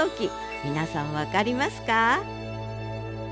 皆さん分かりますか？